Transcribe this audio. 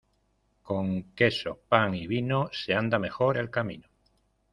Con queso, pan y vino, se anda mejor el camino.